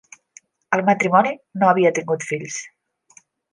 El matrimoni no havia tingut fills.